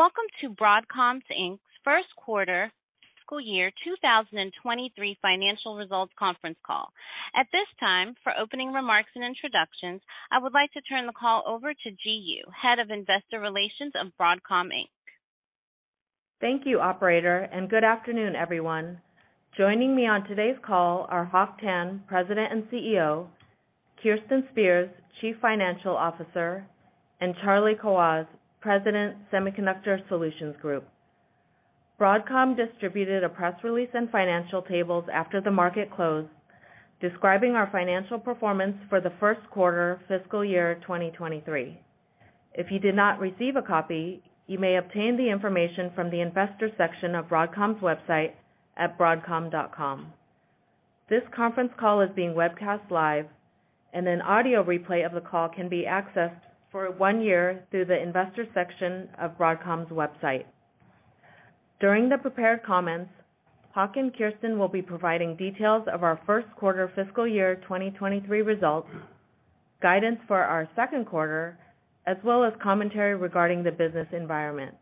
Welcome to Broadcom Inc.'s first quarter fiscal year 2023 financial results conference call. At this time, for opening remarks and introductions, I would like to turn the call over to Ji Yoo, Head of Investor Relations of Broadcom Inc. Thank you, operator. Good afternoon, everyone. Joining me on today's call are Hock Tan, President and CEO, Kirsten Spears, Chief Financial Officer, and Charlie Kawwas, President, Semiconductor Solutions Group. Broadcom distributed a press release and financial tables after the market closed, describing our financial performance for the first quarter fiscal year 2023. If you did not receive a copy, you may obtain the information from the investor section of Broadcom's website at broadcom.com. This conference call is being webcast live and an audio replay of the call can be accessed for one year through the investor section of Broadcom's website. During the prepared comments, Hock and Kirsten will be providing details of our first quarter fiscal year 2023 results, guidance for our second quarter, as well as commentary regarding the business environment.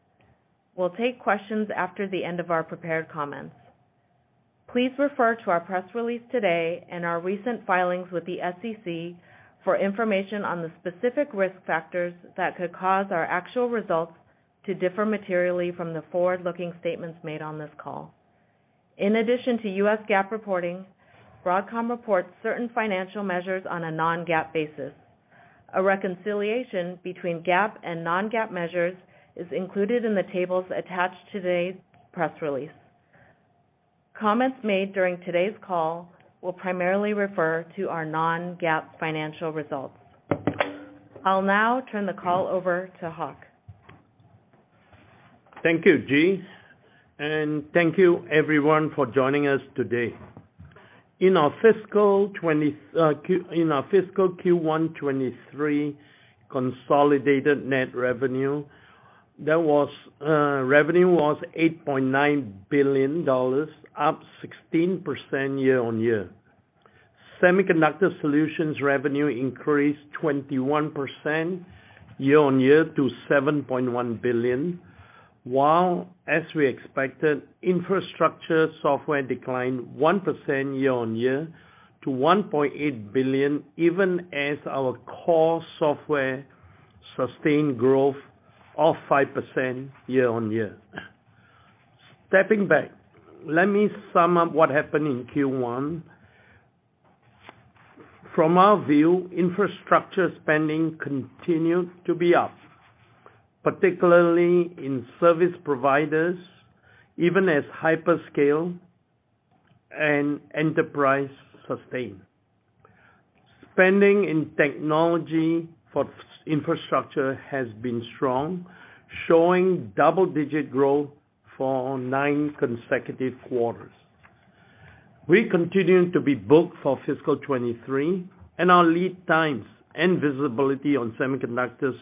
We'll take questions after the end of our prepared comments. Please refer to our press release today and our recent filings with the SEC for information on the specific risk factors that could cause our actual results to differ materially from the forward-looking statements made on this call. In addition to US GAAP reporting, Broadcom reports certain financial measures on a non-GAAP basis. A reconciliation between GAAP and non-GAAP measures is included in the tables attached today's press release. Comments made during today's call will primarily refer to our non-GAAP financial results. I'll now turn the call over to Hock. Thank you, Ji, and thank you everyone for joining us today. In our fiscal Q1 2023 consolidated net revenue was $8.9 billion, up 16% year-on-year. Semiconductor solutions revenue increased 21% year-on-year to $7.1 billion, while as we expected, infrastructure software declined 1% year-on-year to $1.8 billion, even as our core software sustained growth of 5% year-on-year. Stepping back, let me sum up what happened in Q1. From our view, infrastructure spending continued to be up, particularly in service providers, even as hyperscale and enterprise sustained. Spending in technology for infrastructure has been strong, showing double-digit growth for nine consecutive quarters. We continue to be booked for fiscal 2023. Our lead times and visibility on semiconductors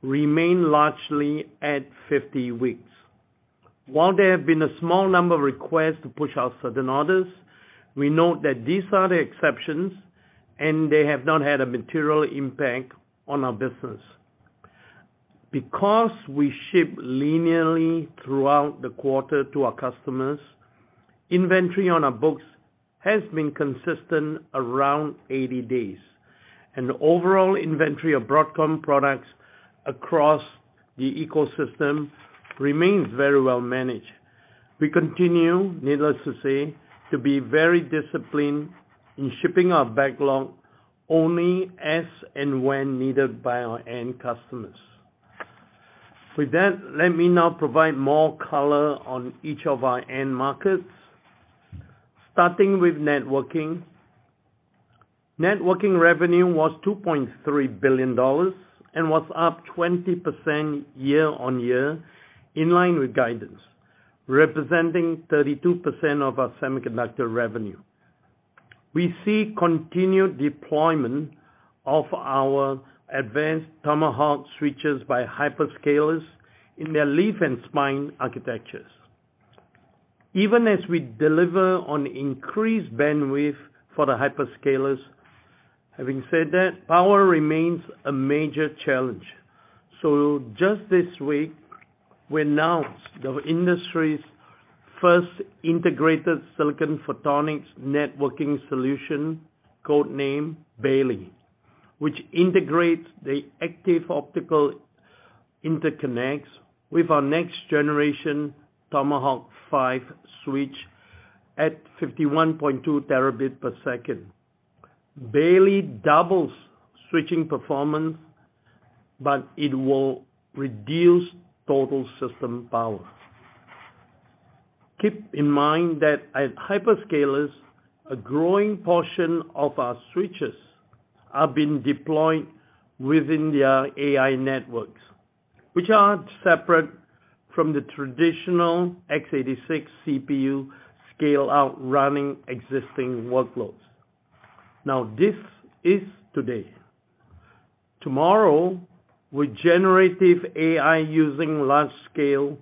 remain largely at 50 weeks. While there have been a small number of requests to push out certain orders, we note that these are the exceptions, and they have not had a material impact on our business. Because we ship linearly throughout the quarter to our customers, inventory on our books has been consistent around 80 days, and the overall inventory of Broadcom products across the ecosystem remains very well managed. We continue, needless to say, to be very disciplined in shipping our backlog only as and when needed by our end customers. With that, let me now provide more color on each of our end markets, starting with networking. Networking revenue was $2.3 billion and was up 20% year-over-year in line with guidance, representing 32% of our semiconductor revenue. We see continued deployment of our advanced Tomahawk switches by hyperscalers in their leaf and spine architectures. Even as we deliver on increased bandwidth for the hyperscalers, having said that, power remains a major challenge. Just this week, we announced the industry's first integrated silicon photonics networking solution, code-named Bailey, which integrates the active optical interconnects with our next generation Tomahawk 5 switch at 51.2 terabit per second. Bailey doubles switching performance, but it will reduce total system power. Keep in mind that at hyperscalers, a growing portion of our switches are being deployed within their AI networks, which are separate from the traditional x86 CPU scale-out running existing workloads. Now, this is today. Tomorrow, with generative AI using large scale,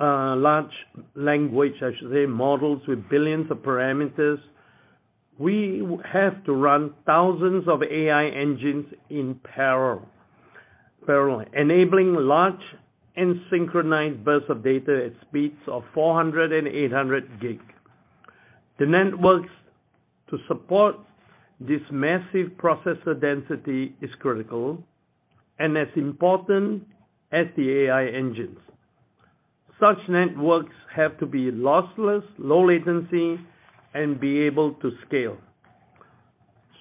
large language, I should say, models with billions of parameters. We have to run thousands of AI engines in parallel, enabling large and synchronized bursts of data at speeds of 400 and 800 gig. The networks to support this massive processor density is critical and as important as the AI engines. Such networks have to be lossless, low latency, and be able to scale.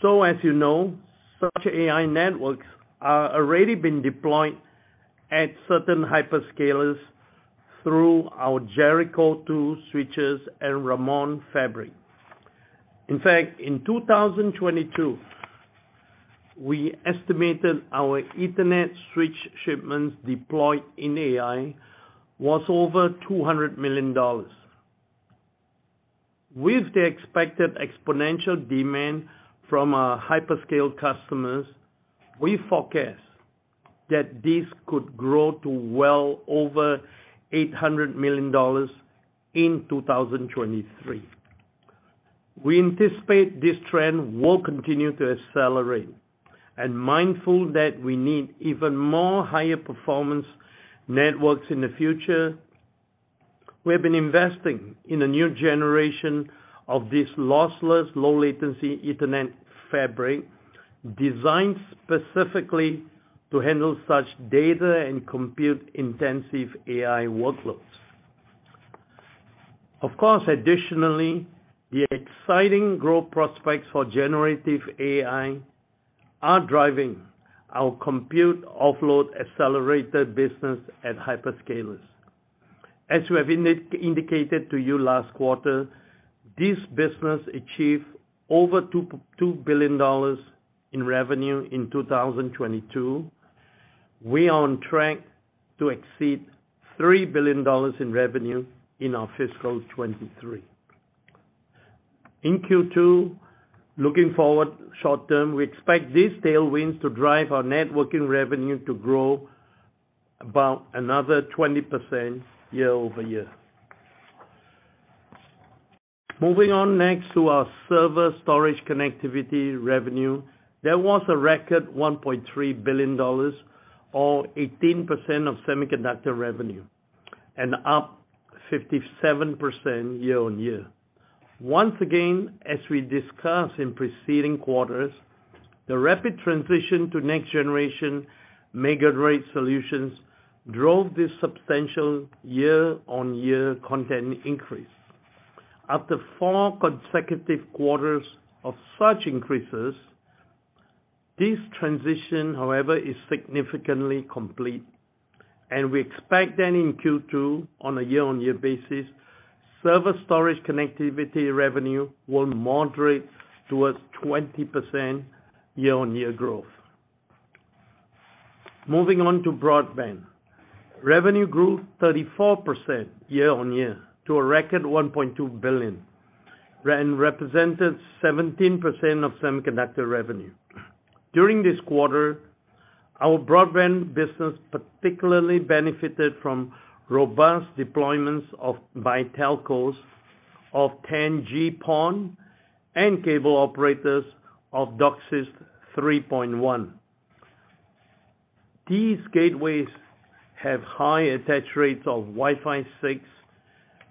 As you know, such AI networks are already been deployed at certain hyp erscalers through our Jericho2 switches and Ramon fabric. In fact, in 2022, we estimated our Ethernet switch shipments deployed in AI was over $200 million. With the expected exponential demand from our hyperscale customers, we forecast that this could grow to well over $800 million in 2023. We anticipate this trend will continue to accelerate. Mindful that we need even more higher performance networks in the future, we have been investing in a new generation of this lossless, low latency Ethernet fabric designed specifically to handle such data and compute intensive AI workloads. Of course, additionally, the exciting growth prospects for generative AI are driving our compute offload accelerated business at hyperscalers. As we have indicated to you last quarter, this business achieved over $2 billion in revenue in 2022. We are on track to exceed $3 billion in revenue in our fiscal 2023. In Q2, looking forward short-term, we expect these tailwinds to drive our networking revenue to grow about another 20% year-over-year. Moving on next to our server storage connectivity revenue. There was a record $1.3 billion, or 18% of semiconductor revenue, and up 57% year-on-year. Once again, as we discussed in preceding quarters, the rapid transition to next generation MegaRAID solutions drove this substantial year-on-year content increase. After four consecutive quarters of such increases, this transition, however, is significantly complete. We expect then in Q2 on a year-on-year basis, server storage connectivity revenue will moderate towards 20% year-on-year growth. Moving on to broadband. Revenue grew 34% year-on-year to a record $1.2 billion and represented 17% of semiconductor revenue. During this quarter, our broadband business particularly benefited from robust deployments by telcos of 10G PON and cable operators of DOCSIS 3.1. These gateways have high attach rates of Wi-Fi 6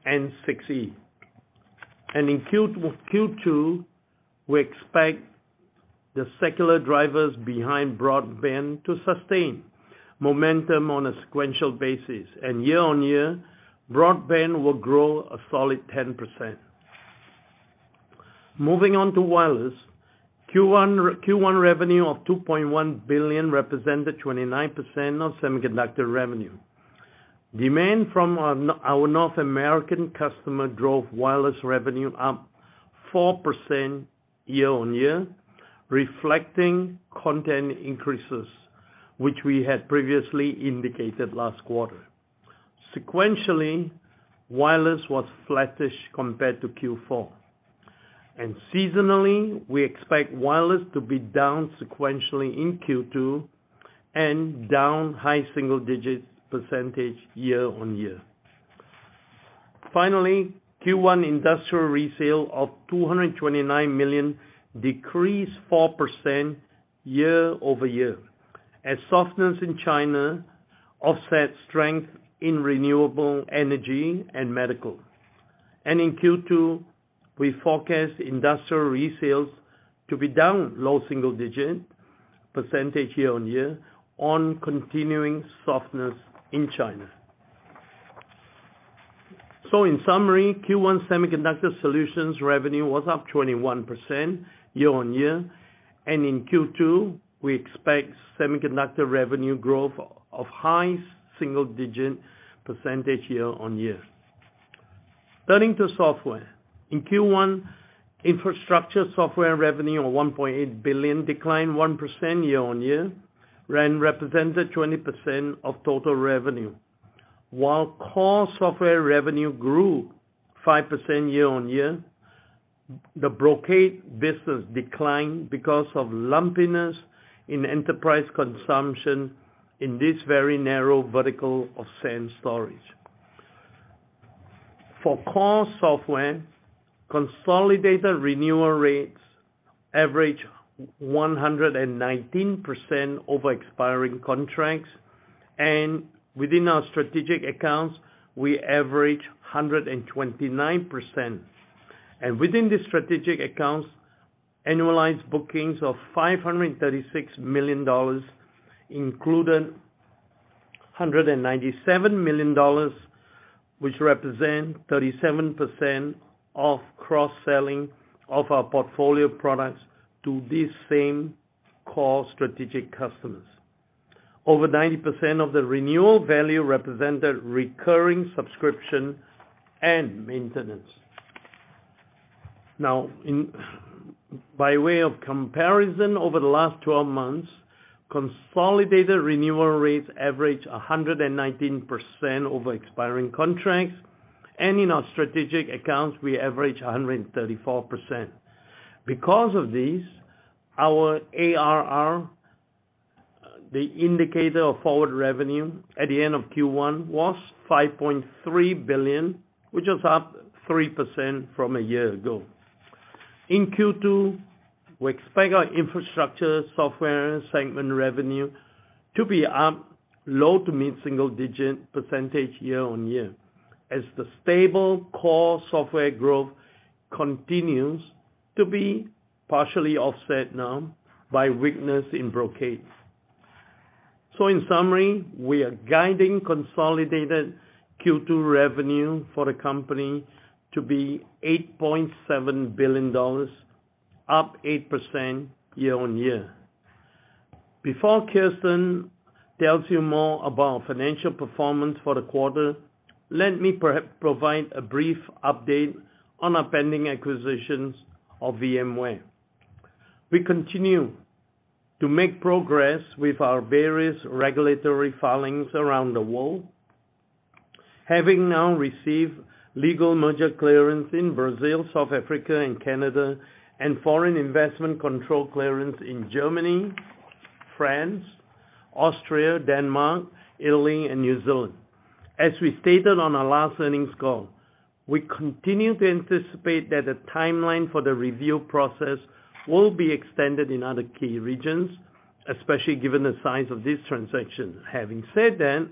and 6E. In Q2 we expect the secular drivers behind broadband to sustain momentum on a sequential basis. Year-on-year, broadband will grow a solid 10%. Moving on to wireless. Q1 revenue of $2.1 billion represented 29% of semiconductor revenue. Demand from our North American customer drove wireless revenue up 4% year-over-year, reflecting content increases which we had previously indicated last quarter. Sequentially, wireless was flattish compared to Q4. Seasonally, we expect wireless to be down sequentially in Q2 and down high single-digit % year-over-year. Finally, Q1 industrial resale of $229 million decreased 4% year-over-year as softness in China offset strength in renewable energy and medical. In Q2, we forecast industrial resales to be down low single-digit % year-over-year on continuing softness in China. In summary, Q1 semiconductor solutions revenue was up 21% year-over-year. In Q2 we expect semiconductor revenue growth of high single-digit % year-over-year. Turning to software. In Q1, infrastructure software revenue of $1.8 billion declined 1% year-on-year and represented 20% of total revenue. While core software revenue grew 5% year-on-year, the Brocade business declined because of lumpiness in enterprise consumption in this very narrow vertical of SAN storage. For core software, consolidated renewal rates average 119% over expiring contracts. Within our strategic accounts, we average 129%. Within the strategic accounts, annualized bookings of $536 million included $197 million, which represent 37% of cross-selling of our portfolio products to these same core strategic customers. Over 90% of the renewal value represented recurring subscription and maintenance. By way of comparison, over the last 12 months, consolidated renewal rates averaged 119% over expiring contracts, and in our strategic accounts, we averaged 134%. This, our ARR, the indicator of forward revenue at the end of Q1, was $5.3 billion, which is up 3% from a year ago. In Q2, we expect our infrastructure software segment revenue to be up low to mid single-digit percentage year-on-year as the stable core software growth continues to be partially offset now by weakness in Brocade. In summary, we are guiding consolidated Q2 revenue for the company to be $8.7 billion, up 8% year-on-year. Before Kirsten tells you more about financial performance for the quarter, let me provide a brief update on our pending acquisitions of VMware. We continue to make progress with our various regulatory filings around the world, having now received legal merger clearance in Brazil, South Africa, and Canada, and foreign investment control clearance in Germany, France, Austria, Denmark, Italy, and New Zealand. As we stated on our last earnings call, we continue to anticipate that the timeline for the review process will be extended in other key regions, especially given the size of this transaction. Having said that,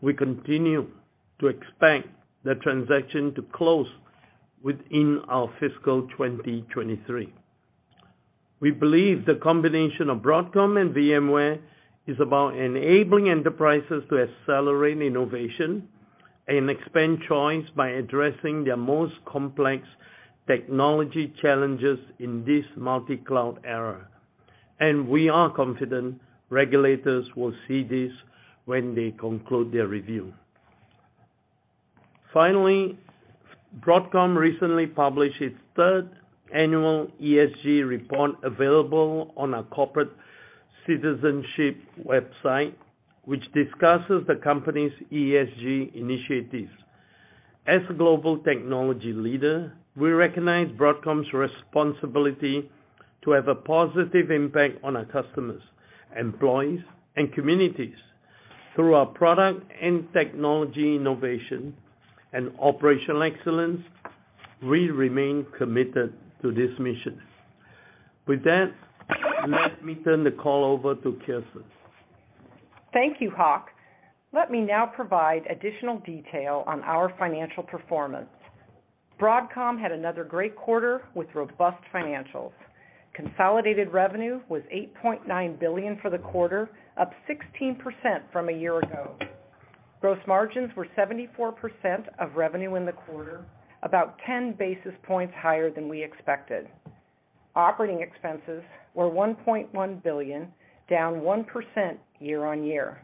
we continue to expect the transaction to close within our fiscal 2023. We believe the combination of Broadcom and VMware is about enabling enterprises to accelerate innovation and expand choice by addressing their most complex technology challenges in this multi-cloud era. We are confident regulators will see this when they conclude their review. Finally, Broadcom recently published its third annual ESG report available on our corporate citizenship website, which discusses the company's ESG initiatives. As a global technology leader, we recognize Broadcom's responsibility to have a positive impact on our customers, employees, and communities. Through our product and technology innovation and operational excellence, we remain committed to this mission. With that, let me turn the call over to Kirsten. Thank you, Hock. Let me now provide additional detail on our financial performance. Broadcom had another great quarter with robust financials. Consolidated revenue was $8.9 billion for the quarter, up 16% from a year ago. Gross margins were 74% of revenue in the quarter, about 10 basis points higher than we expected. Operating expenses were $1.1 billion, down 1% year-on-year.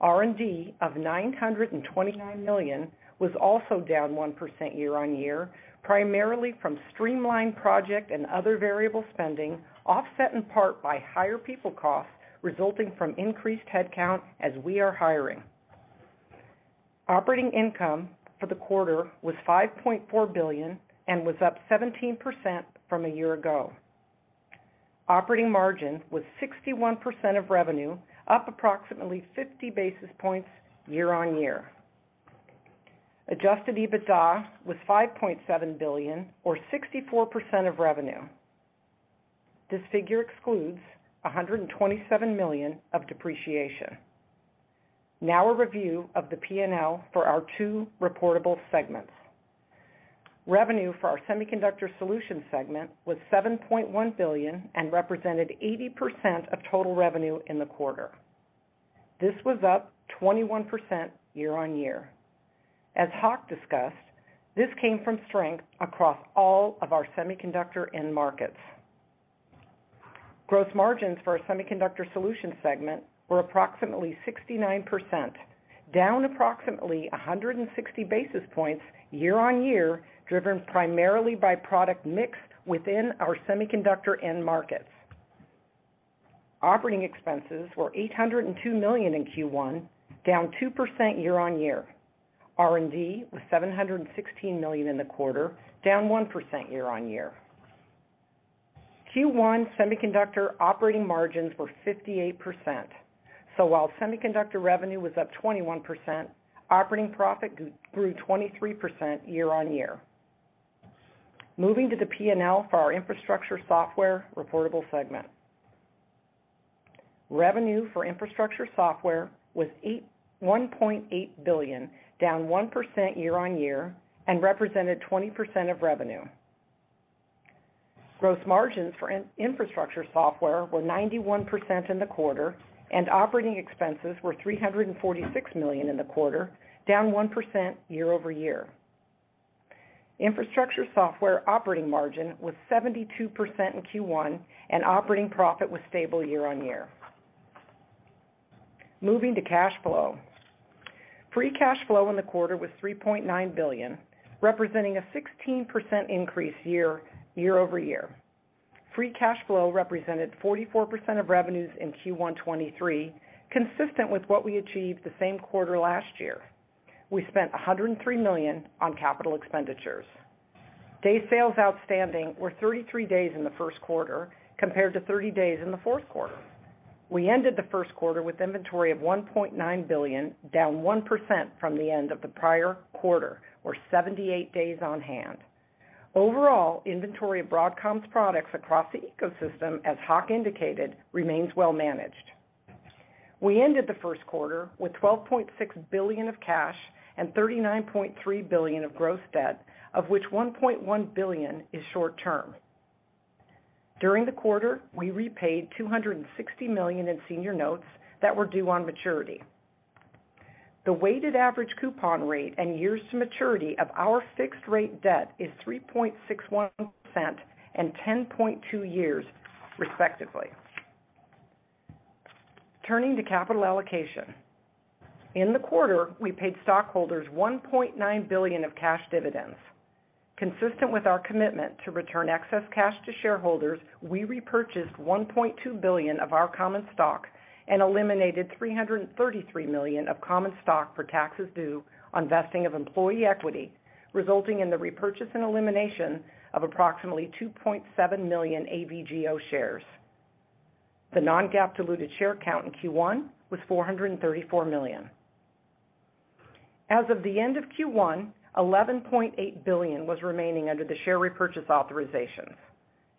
R&D of $929 million was also down 1% year-on-year, primarily from streamlined project and other variable spending, offset in part by higher people costs resulting from increased headcount as we are hiring. Operating income for the quarter was $5.4 billion and was up 17% from a year ago. Operating margin was 61% of revenue, up approximately 50 basis points year-on-year. Adjusted EBITDA was $5.7 billion or 64% of revenue. This figure excludes $127 million of depreciation. A review of the P&L for our two reportable segments. Revenue for our Semiconductor Solutions segment was $7.1 billion and represented 80% of total revenue in the quarter. This was up 21% year-on-year. As Hock discussed, this came from strength across all of our semiconductor end markets. Gross margins for our Semiconductor Solutions segment were approximately 69%, down approximately 160 basis points year-on-year, driven primarily by product mix within our semiconductor end markets. Operating expenses were $802 million in Q1, down 2% year-on-year. R&D was $716 million in the quarter, down 1% year-on-year. Q1 semiconductor operating margins were 58%. While semiconductor revenue was up 21%, operating profit grew 23% year-on-year. Moving to the P&L for our infrastructure software reportable segment. Revenue for infrastructure software was $1.8 billion, down 1% year-on-year and represented 20% of revenue. Gross margins for infrastructure software were 91% in the quarter, and operating expenses were $346 million in the quarter, down 1% year-over-year. Infrastructure software operating margin was 72% in Q1, and operating profit was stable year-on-year. Moving to cash flow, free cash flow in the quarter was $3.9 billion, representing a 16% increase year over year. Free cash flow represented 44% of revenues in Q1 2023, consistent with what we achieved the same quarter last year. We spent $103 million on capital expenditures. Day sales outstanding were 33 days in the first quarter compared to 30 days in the fourth quarter. We ended the first quarter with inventory of $1.9 billion, down 1% from the end of the prior quarter, or 78 days on hand. Overall, inventory of Broadcom's products across the ecosystem, as Hock indicated, remains well managed. We ended the first quarter with $12.6 billion of cash and $39.3 billion of gross debt, of which $1.1 billion is short term. During the quarter, we repaid $260 million in senior notes that were due on maturity. The weighted average coupon rate and years to maturity of our fixed rate debt is 3.61% and 10.2 years, respectively. Turning to capital allocation. In the quarter, we paid stockholders $1.9 billion of cash dividends. Consistent with our commitment to return excess cash to shareholders, we repurchased $1.2 billion of our common stock and eliminated $333 million of common stock for taxes due on vesting of employee equity, resulting in the repurchase and elimination of approximately 2.7 million AVGO shares. The non-GAAP diluted share count in Q1 was 434 million. As of the end of Q1, $11.8 billion was remaining under the share repurchase authorizations.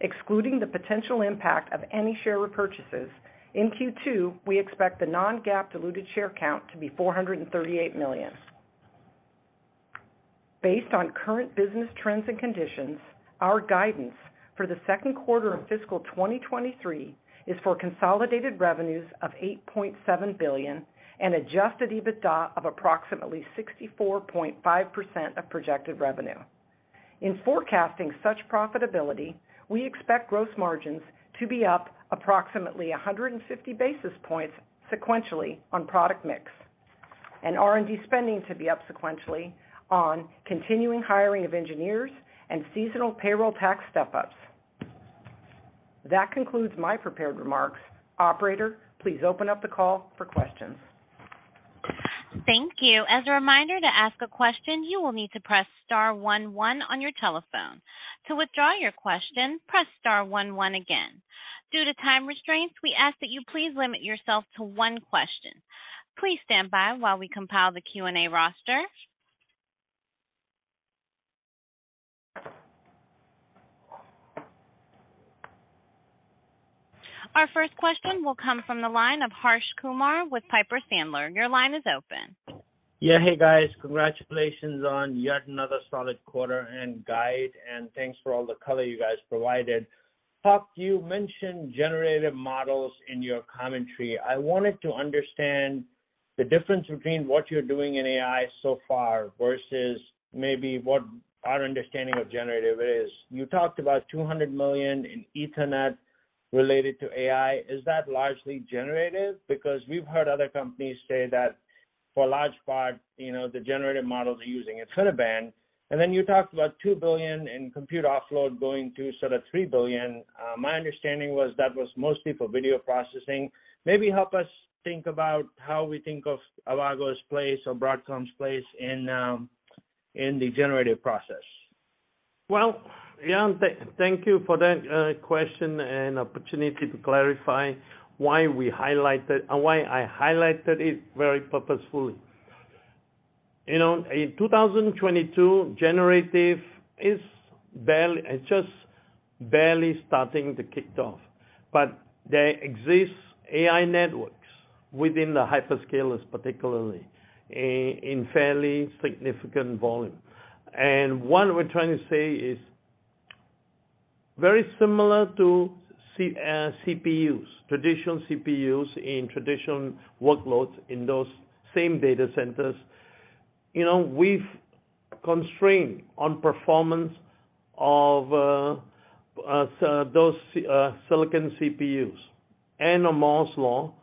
Excluding the potential impact of any share repurchases, in Q2, we expect the non-GAAP diluted share count to be 438 million. Based on current business trends and conditions, our guidance for the second quarter of fiscal 2023 is for consolidated revenues of $8.7 billion and adjusted EBITDA of approximately 64.5% of projected revenue. In forecasting such profitability, we expect gross margins to be up approximately 150 basis points sequentially on product mix, and R&D spending to be up sequentially on continuing hiring of engineers and seasonal payroll tax step-ups. That concludes my prepared remarks. Operator, please open up the call for questions. Thank you. As a reminder to ask a question, you will need to press star one one on your telephone. To withdraw your question, press star one one again. Due to time restraints, we ask that you please limit yourself to one question. Please stand by while we compile the Q&A roster. Our first question will come from the line of Harsh Kumar with Piper Sandler. Your line is open. Hey, guys. Congratulations on yet another solid quarter and guide, and thanks for all the color you guys provided. Hock, you mentioned generative models in your commentary. I wanted to understand the difference between what you're doing in AI so far versus maybe what our understanding of generative is. You talked about $200 million in Ethernet related to AI. Is that largely generative? Because we've heard other companies say that for a large part, you know, the generative models are using InfiniBand. You talked about $2 billion in compute offload going to sort of $3 billion. My understanding was that was mostly for video processing. Maybe help us think about how we think of Avago's place or Broadcom's place in the generative process? Well, yeah, thank you for that question and opportunity to clarify why we highlighted or why I highlighted it very purposefully. You know, in 2022, generative is barely it's just barely starting to kick off. There exists AI networks within the hyperscalers particularly in fairly significant volume. What we're trying to say is very similar to CPUs, traditional CPUs in traditional workloads in those same data centers. You know, we've constrained on performance of those silicon CPUs. On Moore's Law,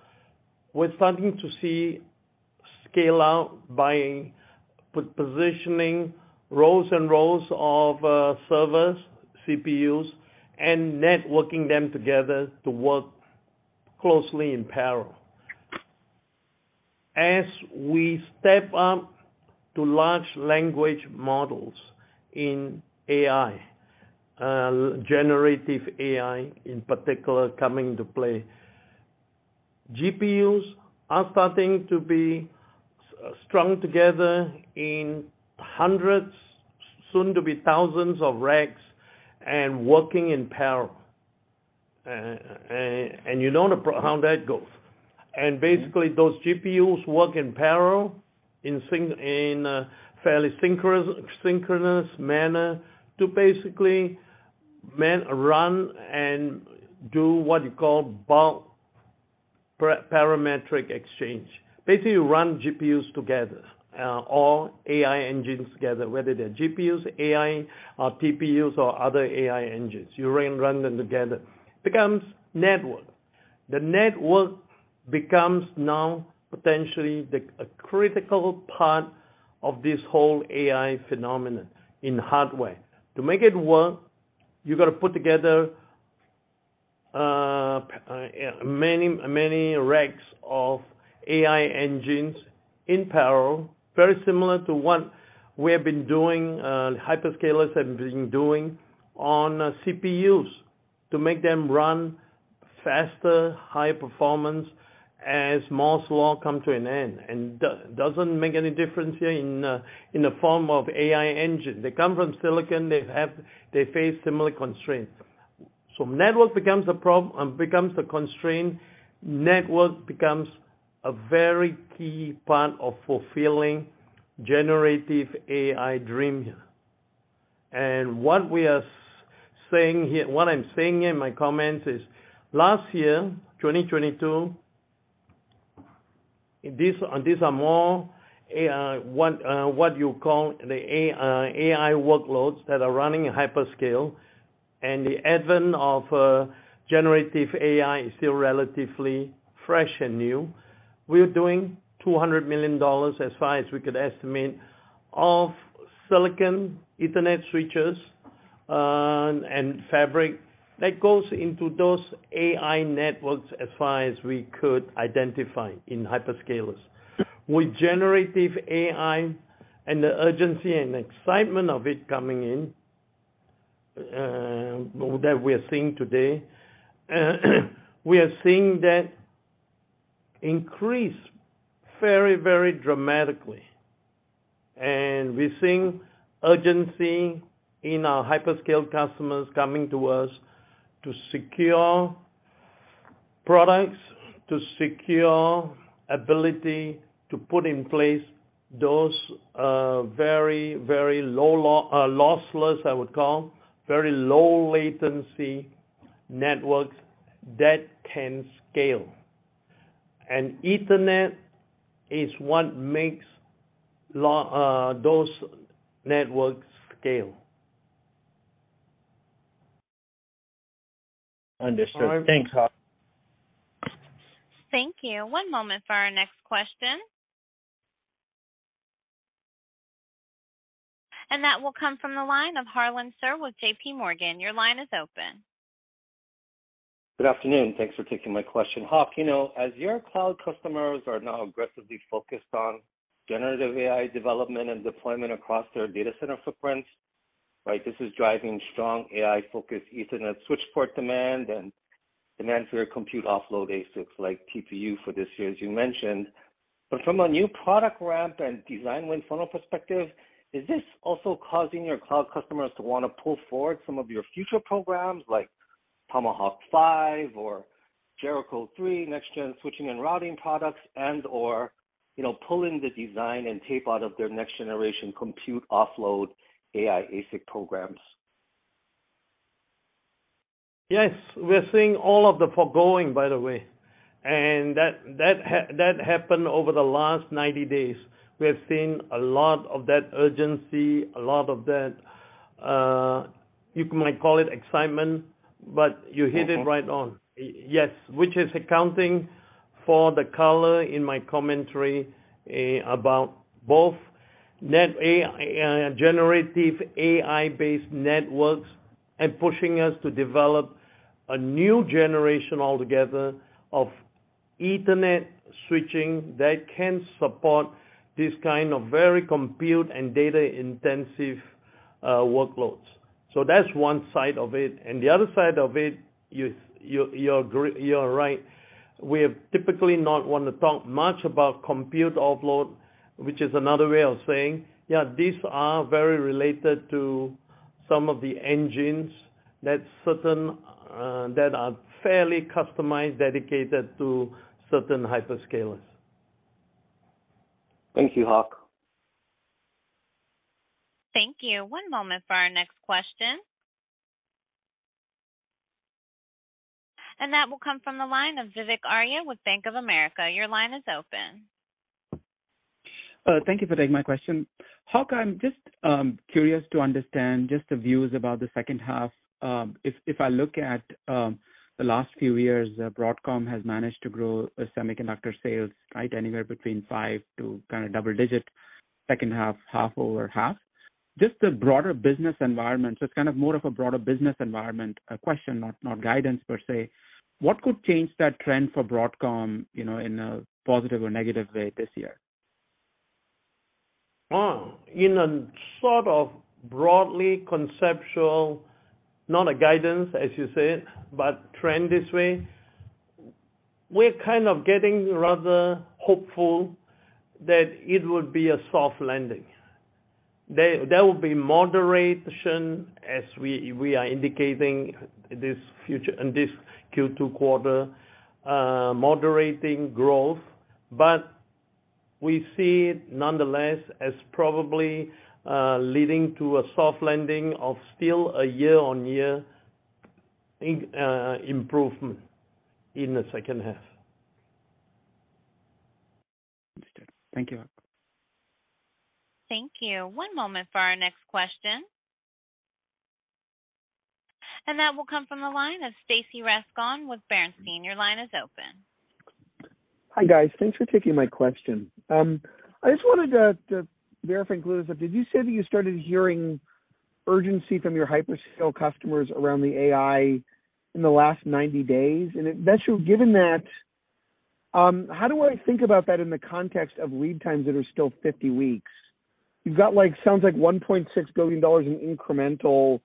we're starting to see scale out by positioning rows and rows of servers, CPUs, and networking them together to work closely in parallel. As we step up to large language models in AI, generative AI in particular coming to play, GPUs are starting to be strung together in 100s, soon to be 1,000s of racks and working in parallel. You know how that goes. Basically, those GPUs work in parallel in a fairly synchronous manner to basically run and do what you call bulk parametric exchange. Basically, you run GPUs together, or AI engines together, whether they're GPUs, AI or TPUs or other AI engines. You run them together. Becomes network. The network becomes now potentially a critical part of this whole AI phenomenon in hardware. To make it work, you've got to put together many, many racks of AI engines in parallel, very similar to what we have been doing, hyperscalers have been doing on CPUs to make them run faster, high performance as Moore's Law come to an end. Doesn't make any difference here in the form of AI engine. They come from silicon. They face similar constraints. Network becomes a problem, becomes a constraint. Network becomes a very key part of fulfilling generative AI dream here. What we are saying here, what I'm saying here in my comments is last year, 2022, these are more, what you call the AI workloads that are running hyperscale. The advent of generative AI is still relatively fresh and new. We're doing $200 million, as far as we could estimate, of silicon, Ethernet switches, and fabric that goes into those AI networks as far as we could identify in hyperscalers. With generative AI and the urgency and excitement of it coming in, that we are seeing today, we are seeing that increase very, very dramatically. We're seeing urgency in our hyperscale customers coming to us to secure products, to secure ability to put in place those, very, very low lossless, I would call, very low latency networks that can scale. Ethernet is what makes those networks scale. Understood. Thanks, Hock. Thank you. One moment for our next question. That will come from the line of Harlan Sur with JPMorgan. Your line is open. Good afternoon. Thanks for taking my question. Hock, you know, as your cloud customers are now aggressively focused on generative AI development and deployment across their data center footprints, right? This is driving strong AI-focused Ethernet switch port demand and demand for your compute offload ASICs like TPU for this year, as you mentioned. From a new product ramp and design win funnel perspective, is this also causing your cloud customers to want to pull forward some of your future programs like Tomahawk 5 or Jericho3 next gen switching and routing products and/or, you know, pulling the design and tape out of their next generation compute offload AI ASIC programs? Yes, we're seeing all of the foregoing, by the way. That, that happened over the last 90 days. We have seen a lot of that urgency, a lot of that, you might call it excitement. You hit it right on. Yes, which is accounting for the color in my commentary, about both Generative AI-based networks and pushing us to develop a new generation altogether of Ethernet switching that can support this kind of very compute and data intensive workloads. That's one side of it. The other side of it, you're right. We have typically not want to talk much about compute offload, which is another way of saying, yeah, these are very related to some of the engines that certain that are fairly customized, dedicated to certain hyperscalers. Thank you, Hock. Thank you. One moment for our next question. That will come from the line of Vivek Arya with Bank of America. Your line is open. Thank you for taking my question. Hock, I'm just curious to understand just the views about the second half. If I look at the last few years, Broadcom has managed to grow semiconductor sales, right? Anywhere between five to kind of double digit. Second half over half. Just the broader business environment, so it's kind of more of a broader business environment, a question, not guidance per se. What could change that trend for Broadcom, you know, in a positive or negative way this year? Oh, in a sort of broadly conceptual, not a guidance, as you said, but trend this way, we're kind of getting rather hopeful that it would be a soft landing. There will be moderation as we are indicating this in this Q2 quarter, moderating growth. We see it nonetheless as probably leading to a soft landing of still a year-on-year improvement in the second half. Understood. Thank you. Thank you. One moment for our next question. That will come from the line of Stacy Rasgon with Bernstein. Your line is open. Hi, guys. Thanks for taking my question. I just wanted to verify and clarify. Did you say that you started hearing urgency from your hyperscale customers around the AI in the last 90 days? If that's true, given that, how do I think about that in the context of lead times that are still 50 weeks? You've got, like, sounds like $1.6 billion in incremental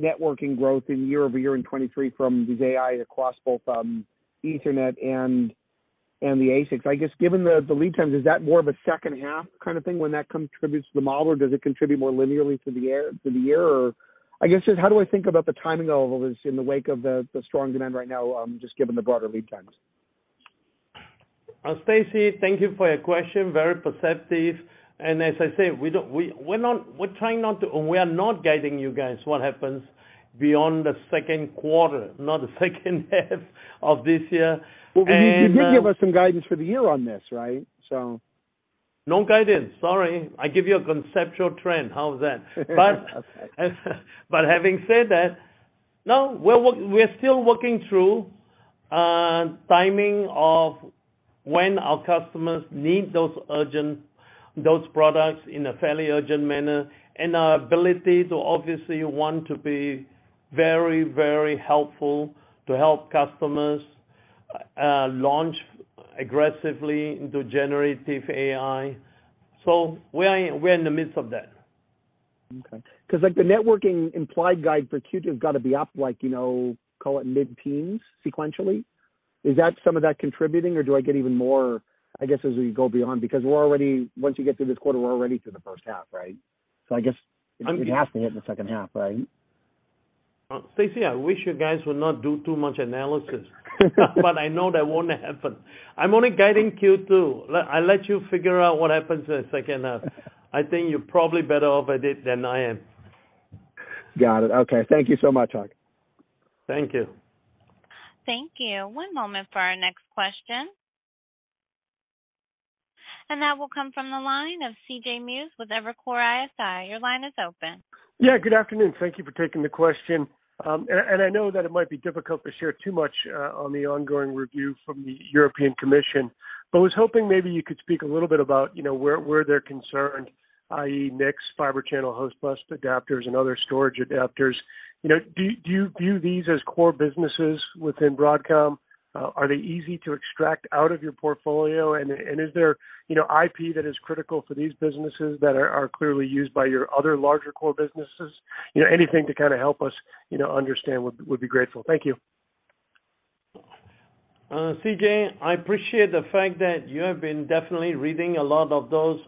networking growth in year-over-year in 2023 from these AI across both Ethernet and the ASICs. I guess, given the lead times, is that more of a second half kind of thing when that contributes to the model, or does it contribute more linearly through the year, or I guess just how do I think about the timing of all this in the wake of the strong demand right now, just given the broader lead times? Stacy, thank you for your question, very perceptive. As I said, we are not guiding you guys what happens beyond the second quarter, not the second half of this year. you did give us some guidance for the year on this, right? No guidance, sorry. I give you a conceptual trend. How's that? Okay. Having said that, no, we're still working through timing of when our customers need those products in a fairly urgent manner and our ability to obviously want to be very, very helpful to help customers launch aggressively into generative AI. we're in the midst of that. Okay. 'Cause, like, the networking implied guide for Q2 has got to be up, like, you know, call it mid-teens sequentially. Is that some of that contributing, or do I get even more, I guess, as we go beyond? Because we're already, once you get through this quarter, we're already through the first half, right? I guess it has to hit in the second half, right? Stacy, I wish you guys would not do too much analysis. I know that won't happen. I'm only guiding Q2. I'll let you figure out what happens in the second half. I think you're probably better off at it than I am. Got it. Okay, thank you so much, Hock. Thank you. Thank you. One moment for our next question. That will come from the line of CJ Muse with Evercore ISI. Your line is open. Yeah, good afternoon. Thank you for taking the question. I know that it might be difficult to share too much on the ongoing review from the European Commission, but I was hoping maybe you could speak a little bit about, you know, where they're concerned, i.e., NICs, Fibre Channel, host bus adapters and other storage adapters. You know, do you view these as core businesses within Broadcom? Are they easy to extract out of your portfolio? Is there, you know, IP that is critical for these businesses that are clearly used by your other larger core businesses? You know, anything to kinda help us, you know, understand would be grateful. Thank you. CJ, I appreciate the fact that you have been definitely reading a lot of those,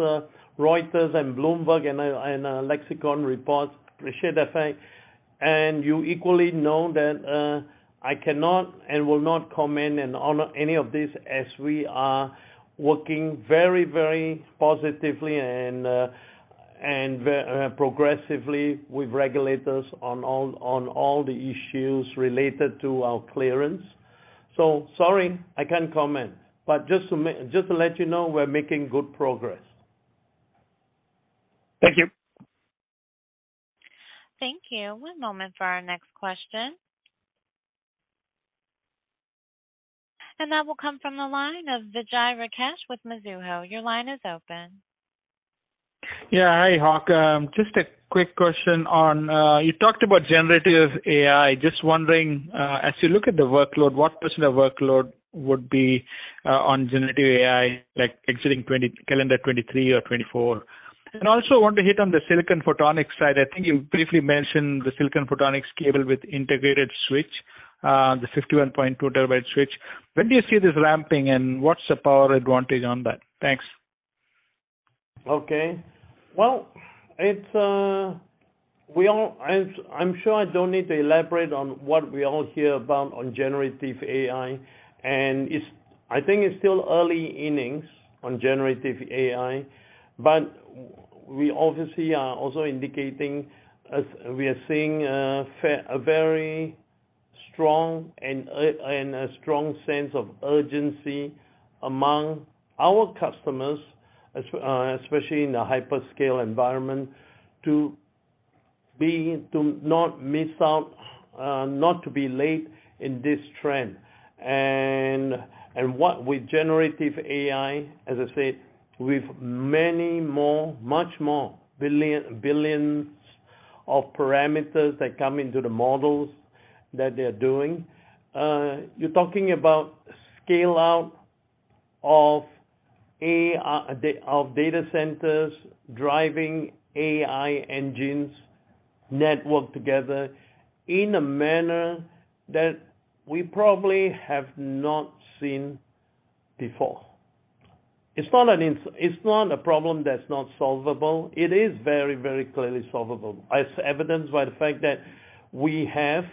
Reuters and Bloomberg and MLex reports. Appreciate that fact. You equally know that I cannot and will not comment and honor any of this as we are working very positively and progressively with regulators on all the issues related to our clearance. Sorry, I can't comment. Just to let you know, we're making good progress. Thank you. Thank you. One moment for our next question. That will come from the line of Vijay Rakesh with Mizuho. Your line is open. Yeah. Hi, Hock. Just a quick question on, you talked about generative AI. Just wondering, as you look at the workload, what % of workload would be on generative AI, like exiting calendar 2023 or 2024? Also want to hit on the silicon photonics side. I think you briefly mentioned the silicon photonics cable with integrated switch, the 51.2 terabyte switch. When do you see this ramping, and what's the power advantage on that? Thanks. Okay. Well, it's, I'm sure I don't need to elaborate on what we all hear about on generative AI, and I think it's still early innings on generative AI, but we obviously are also indicating as we are seeing a very strong and a strong sense of urgency among our customers, especially in the hyperscale environment, to not miss out, not to be late in this trend. And what with generative AI, as I said, with many more, much more billions of parameters that come into the models that they're doing, you're talking about scale out of AI of data centers driving AI engines network together in a manner that we probably have not seen before. It's not a problem that's not solvable. It is very, very clearly solvable, as evidenced by the fact that we have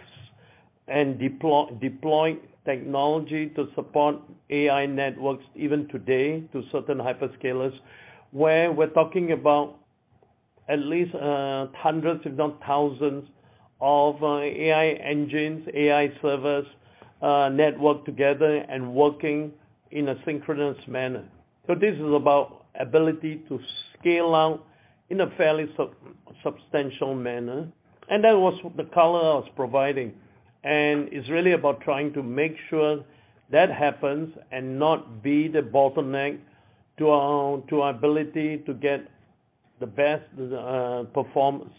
and deploy, deployed technology to support AI networks even today to certain hyperscalers, where we're talking about at least hundreds, if not thousands of AI engines, AI servers, networked together and working in a synchronous manner. This is about ability to scale out in a fairly sub-substantial manner. That was the color I was providing. It's really about trying to make sure that happens and not be the bottleneck to our ability to get the best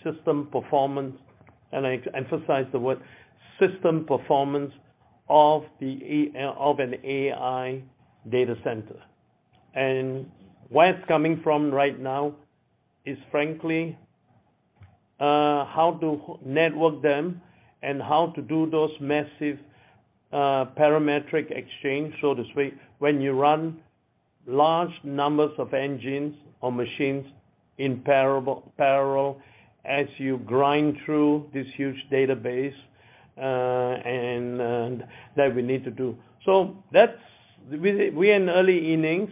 system performance, and I emphasize the word system performance of an AI data center. Where it's coming from right now is frankly, how to network them and how to do those massive, parametric exchange, so to speak, when you run large numbers of engines or machines in parallel as you grind through this huge database, and that we need to do. We're in early innings,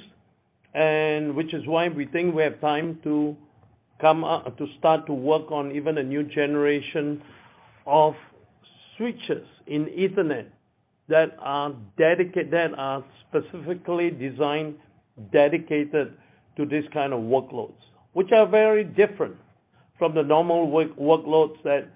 and which is why we think we have time to come up to start to work on even a new generation of switches in Ethernet that are specifically designed, dedicated to this kind of workloads, which are very different from the normal workloads that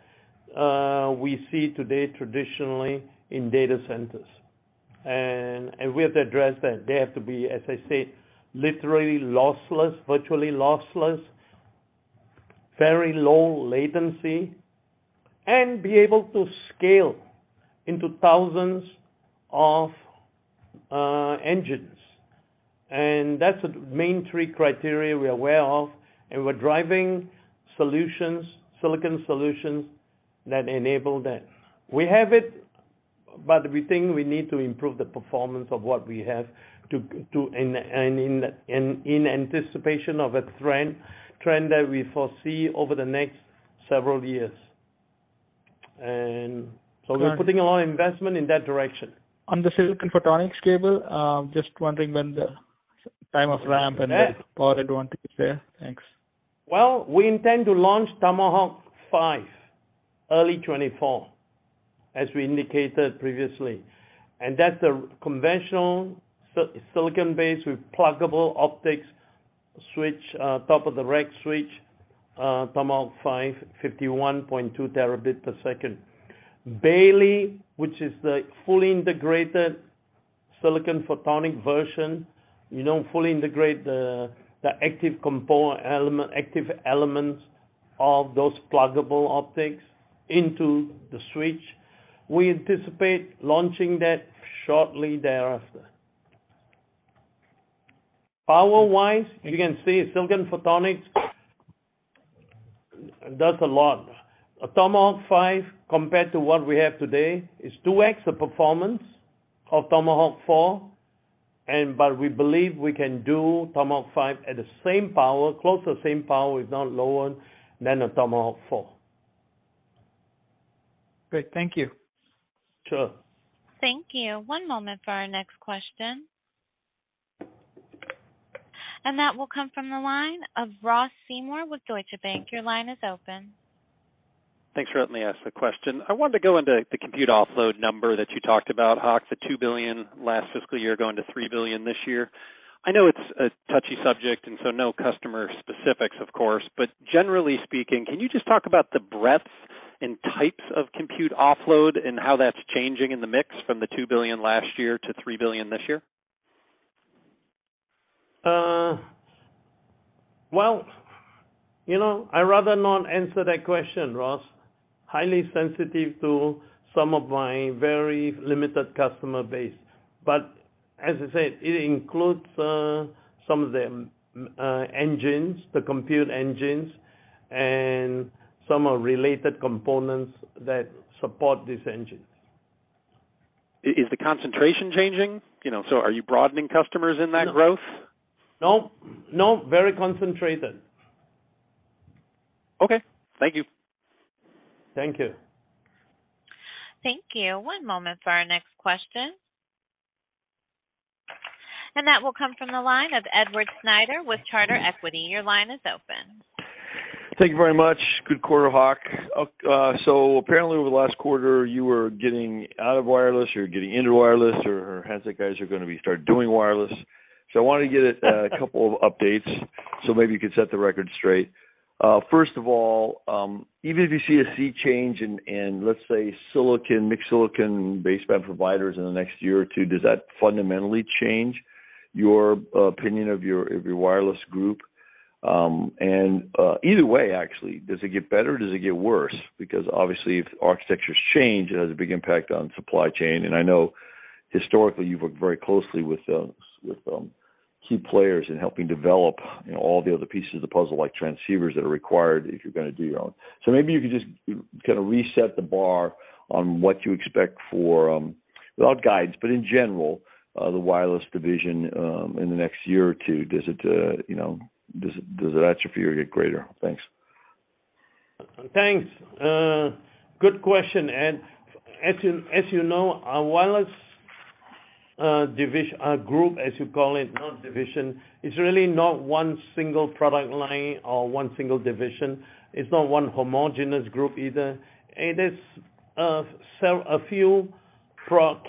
we see today traditionally in data centers. We have to address that. They have to be, as I said, literally lossless, virtually lossless, very low latency, and be able to scale into thousands of engines. That's the main three criteria we're aware of, and we're driving solutions, silicon solutions that enable that. We have it, but we think we need to improve the performance of what we have to. In anticipation of a trend that we foresee over the next several years. So we're putting a lot of investment in that direction. On the silicon photonics cable, just wondering when the time of ramp and the supported one to be fair. Thanks. Well, we intend to launch Tomahawk5 early 2024, as we indicated previously. That's a conventional silicon base with pluggable optics switch, top of the rack switch, Tomahawk 5, 51.2 terabit per second. Bailey, which is the fully integrated silicon photonic version, you know, fully integrate the active component element, active elements of those pluggable optics into the switch. We anticipate launching that shortly thereafter. Power-wise, you can see silicon photonics does a lot. Tomahawk 5, compared to what we have today, is 2x the performance of Tomahawk 4. We believe we can do Tomahawk 5 at the same power, close to the same power, if not lower than a Tomahawk 4. Great. Thank you. Sure. Thank you. One moment for our next question. That will come from the line of Ross Seymore with Deutsche Bank. Your line is open. Thanks for letting me ask the question. I wanted to go into the compute offload number that you talked about, Hock, the $2 billion last fiscal year going to $3 billion this year. I know it's a touchy subject and so no customer specifics of course, but generally speaking, can you just talk about the breadth and types of compute offload and how that's changing in the mix from the $2 billion last year to $3 billion this year? Well, you know, I'd rather not answer that question, Ross. Highly sensitive to some of my very limited customer base. As I said, it includes some of the engines, the compute engines and some of related components that support these engines. Is the concentration changing? You know, are you broadening customers in that growth? No, no, very concentrated. Okay. Thank you. Thank you. Thank you. One moment for our next question. That will come from the line of Edward Snyder with Charter Equity. Your line is open. Thank you very much. Good quarter, Hock. So apparently over the last quarter, you were getting out of wireless or getting into wireless or has it guys are gonna be start doing wireless. I wanna get a couple of updates, so maybe you could set the record straight. First of all, even if you see a sea change in, let's say, silicon, mixed silicon baseband providers in the next year or two, does that fundamentally change your opinion of your wireless group? And either way, actually, does it get better or does it get worse? Because obviously, if architectures change, it has a big impact on supply chain. I know historically you've worked very closely with, key players in helping develop, you know, all the other pieces of the puzzle, like transceivers that are required if you're gonna do your own. Maybe you could just kinda reset the bar on what you expect for, without guides, but in general, the wireless division, in the next year or two. Does it, you know, does the atrophy or get greater? Thanks. Thanks. Good question, Ed. As you know, our wireless group, as you call it, not division, is really not one single product line or one single division. It's not one homogenous group either. It is a few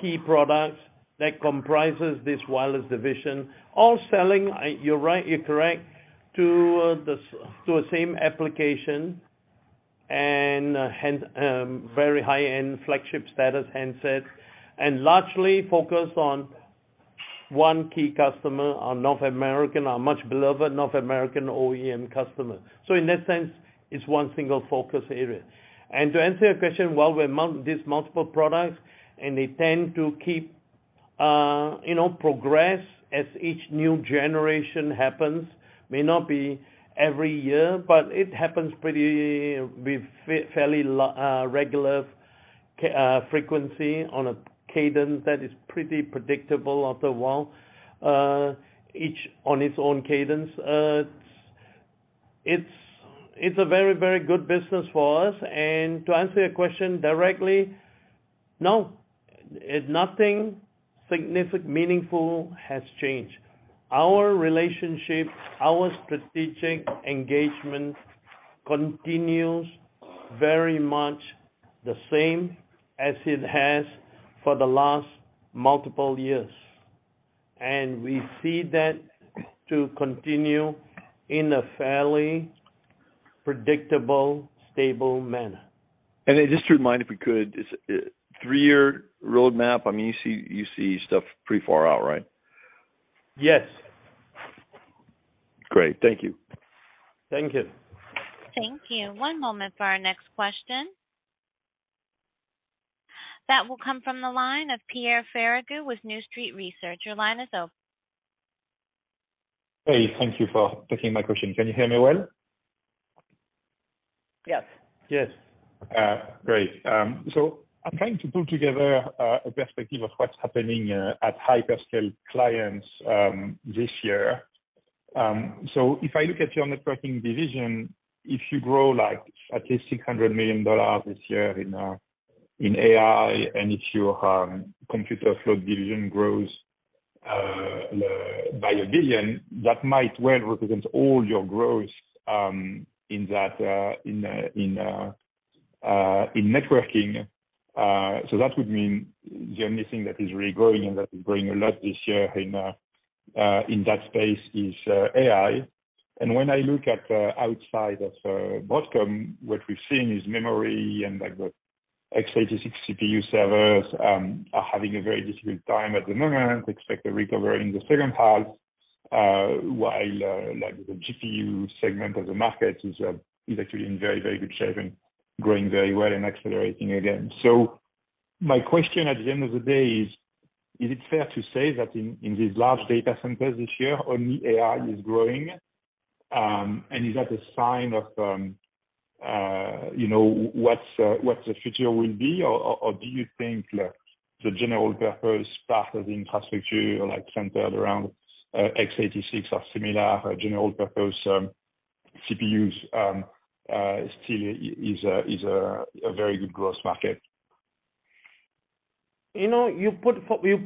key products that comprises this wireless division, all selling, you're right, you're correct, to a same application and very high-end flagship status handsets, and largely focused on one key customer, our North American, our much beloved North American OEM customer. In that sense, it's one single focus area. To answer your question, while we're these multiple products, and they tend to keep, you know, progress as each new generation happens, may not be every year, but it happens pretty with fairly regular frequency on a cadence that is pretty predictable after a while, each on its own cadence. It's a very good business for us. To answer your question directly, no. Nothing meaningful has changed. Our relationship, our strategic engagement continues very much the same as it has for the last multiple years, and we see that to continue in a fairly predictable, stable manner. Just to remind, if we could, is, three-year roadmap, I mean, you see stuff pretty far out, right? Yes. Great. Thank you. Thank you. Thank you. One moment for our next question. That will come from the line of Pierre Ferragu with New Street Research. Your line is open. Hey. Thank you for taking my question. Can you hear me well? Yes. Yes. Great. I'm trying to put together a perspective of what's happening at hyperscale clients this year. If I look at your networking division, if you grow like at least $600 million this year in AI, and if your computer offload division grows by $1 billion, that might well represent all your growth in that in networking. That would mean the only thing that is really growing and that is growing a lot this year in that space is AI. When I look at outside of Broadcom, what we've seen is memory and like the x86 CPU servers are having a very difficult time at the moment, expect to recover in the second half, while like the GPU segment of the market is actually in very, very good shape and growing very well and accelerating again. My question at the end of the day is it fair to say that in these large data centers this year, only AI is growing? Is that a sign of, you know, what the future will be? Do you think that the general purpose part of the infrastructure, like centered around x86 or similar general purpose CPUs, still is a very good growth market? You know, you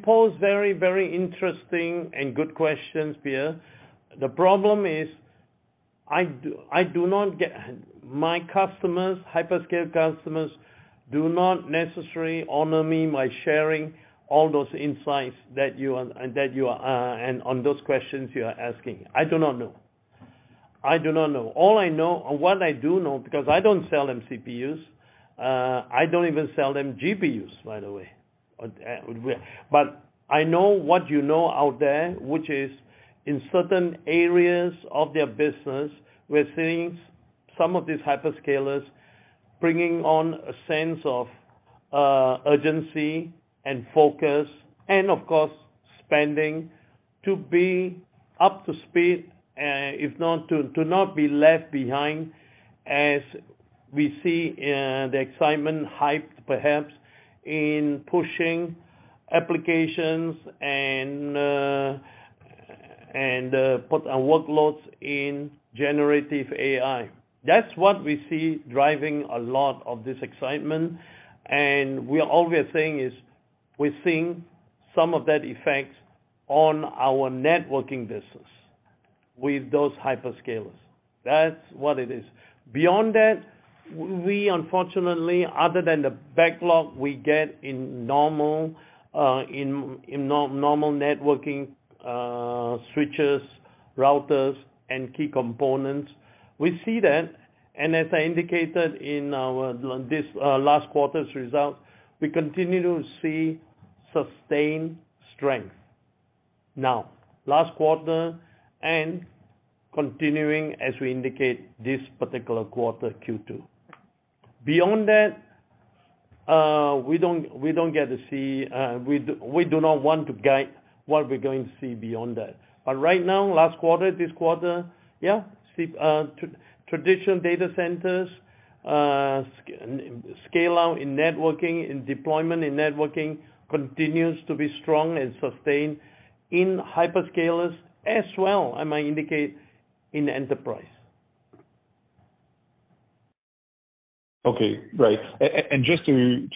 pose very interesting and good questions, Pierre. The problem is I do not get. My customers, hyperscale customers, do not necessarily honor me by sharing all those insights that you are and on those questions you are asking. I do not know. I do not know. All I know or what I do know, because I don't sell them CPUs, I don't even sell them GPUs, by the way. I know what you know out there, which is in certain areas of their business, we're seeing some of these hyperscalers bringing on a sense of urgency and focus and of course, spending to be up to speed, if not to not be left behind as we see the excitement hyped perhaps in pushing applications and put on workloads in generative AI. That's what we see driving a lot of this excitement, all we are saying is we're seeing some of that effect on our networking business with those hyperscalers. That's what it is. Beyond that, we unfortunately, other than the backlog we get in normal in normal networking switches, routers, and key components, we see that. As I indicated in our this last quarter's results, we continue to see sustained strength. Last quarter and continuing as we indicate this particular quarter, Q2. Beyond that, we don't get to see, we do not want to guide what we're going to see beyond that. Right now, last quarter, this quarter, yeah, see, traditional data centers, scale out in networking, in deployment in networking continues to be strong and sustained in hyperscalers as well, I might indicate in enterprise. Okay. Right. Just to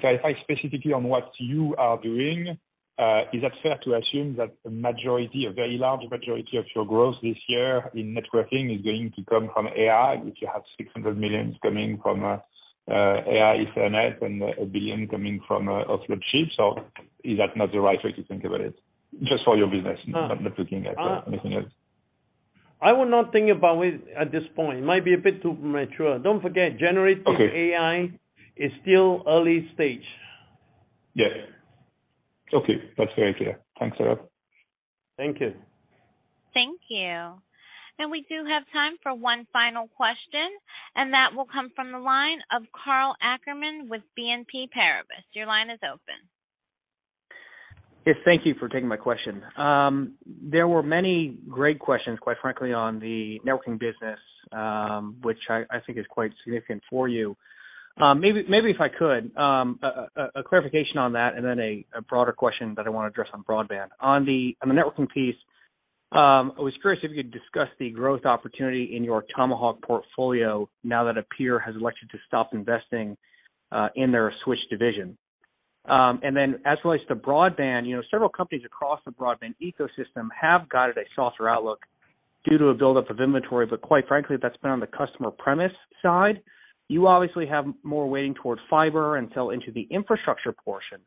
clarify specifically on what you are doing, is it fair to assume that the majority, a very large majority of your growth this year in networking is going to come from AI, which you have $600 million coming from, AI Ethernet and $1 billion coming from, offload chips, or is that not the right way to think about it? Just for your business, not looking at anything else. I would not think about it at this point. It might be a bit too premature. Don't forget, generative AI is still early stage. Yes. Okay. That's very clear. Thanks a lot. Thank you. Thank you. We do have time for one final question, and that will come from the line of Karl Ackerman with BNP Paribas. Your line is open. Yes, thank you for taking my question. There were many great questions, quite frankly, on the networking business, which I think is quite significant for you. Maybe if I could, a clarification on that and then a broader question that I wanna address on broadband. On the networking piece, I was curious if you could discuss the growth opportunity in your Tomahawk portfolio now that a peer has elected to stop investing, in their switch division. As it relates to broadband, you know, several companies across the broadband ecosystem have guided a softer outlook due to a buildup of inventory, but quite frankly, that's been on the customer premise side. You obviously have more weighting towards fiber and sell into the infrastructure portion.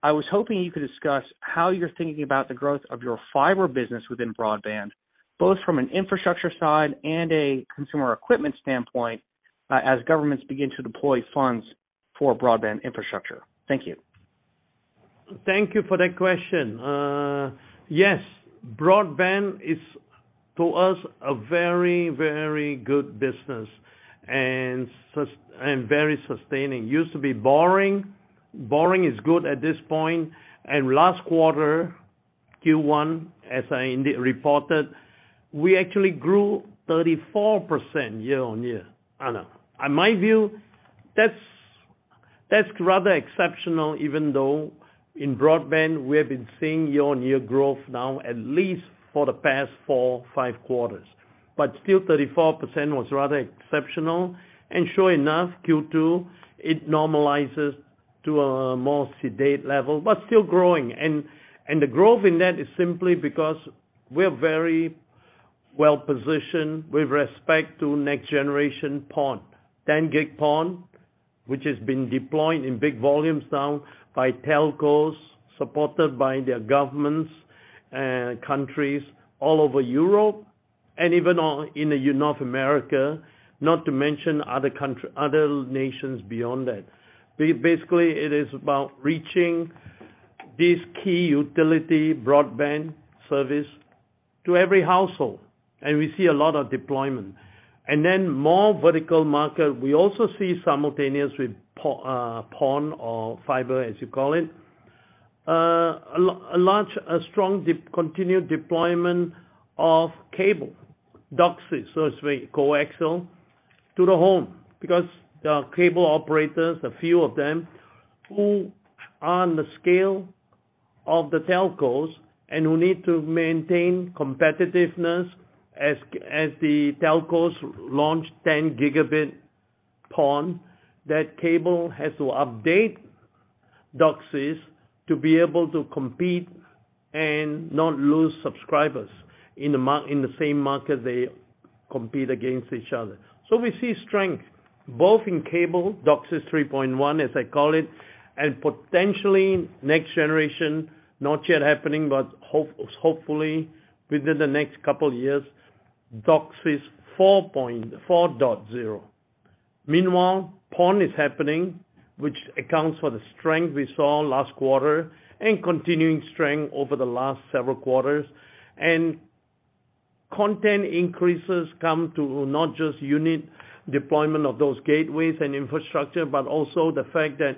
I was hoping you could discuss how you're thinking about the growth of your fiber business within broadband, both from an infrastructure side and a consumer equipment standpoint, as governments begin to deploy funds for broadband infrastructure. Thank you. Thank you for that question. Yes, broadband is, to us, a very, very good business and very sustaining. Used to be boring. Boring is good at this point. Last quarter, Q1, as I reported, we actually grew 34% year-on-year. In my view, that's rather exceptional, even though in broadband, we have been seeing year-on-year growth now at least for the past 4, 5 quarters. Still, 34% was rather exceptional. Sure enough, Q2, it normalizes to a more sedate level, but still growing. The growth in that is simply because we're very well-positioned with respect to next generation PON, 10G PON, which has been deployed in big volumes now by telcos, supported by their governments, countries all over Europe and even on in North America, not to mention other nations beyond that. Basically, it is about reaching these key utility broadband service to every household, and we see a lot of deployment. More vertical market, we also see simultaneous with PON or fiber, as you call it, a large, a strong continued deployment of cable, DOCSIS, so to speak, coaxial to the home. The cable operators, a few of them, who are on the scale of the telcos and who need to maintain competitiveness as the telcos launch 10 Gigabit PON, that cable has to update DOCSIS to be able to compete and not lose subscribers in the same market they compete against each other. We see strength both in cable, DOCSIS 3.1, as I call it, and potentially next generation, not yet happening, but hopefully within the next couple years, DOCSIS 4.0. Meanwhile, PON is happening, which accounts for the strength we saw last quarter and continuing strength over the last several quarters. Content increases come to not just unit deployment of those gateways and infrastructure, but also the fact that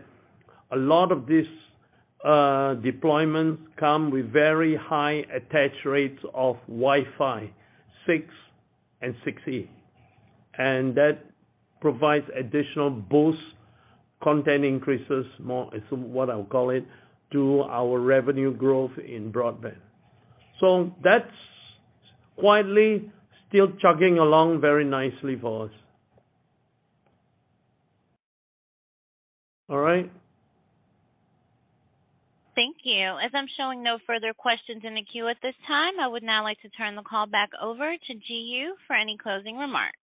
a lot of these deployments come with very high attach rates of Wi-Fi 6 and 6E. That provides additional boost, content increases, more is what I'll call it, to our revenue growth in broadband. That's quietly still chugging along very nicely for us. All right? Thank you. As I'm showing no further questions in the queue at this time, I would now like to turn the call back over to Ji Yoo for any closing remarks.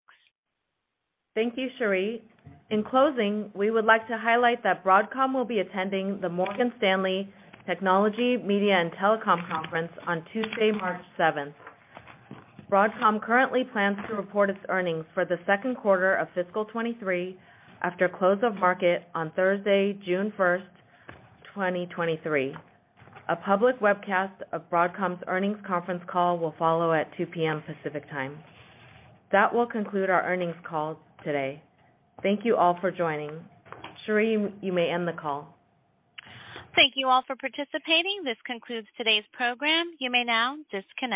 Thank you, Cherie. In closing, we would like to highlight that Broadcom will be attending the Morgan Stanley Technology, Media & Telecom Conference on Tuesday, March seventh. Broadcom currently plans to report its earnings for the second quarter of fiscal 23 after close of market on Thursday, June first, 2023. A public webcast of Broadcom's earnings conference call will follow at 2:00 P.M. Pacific Time. That will conclude our earnings call today. Thank you all for joining. Cherie, you may end the call. Thank you all for participating. This concludes today's program. You may now disconnect.